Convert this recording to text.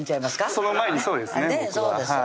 その前にそうですね